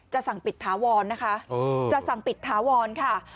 สั่งปิดถาวรนะคะจะสั่งปิดถาวรค่ะ